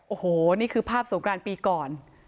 โอ้โหนี่คือภาพสงกรานปีก่อน